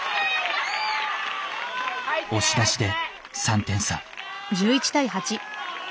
押し出しで３点差。